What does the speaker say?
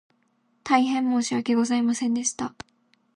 大変申し訳ございませんでした